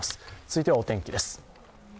続いては、お天気です。